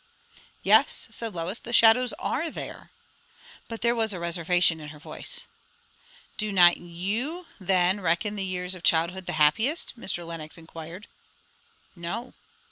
"Yes," said Lois, "the shadows are there." But there was a reservation in her voice. "Do not you, then, reckon the years of childhood the happiest?" Mr. Lenox inquired. "No."